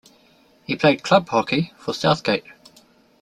He played club hockey for Southgate.